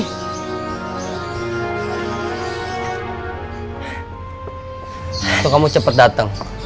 tunggu kamu ceper dateng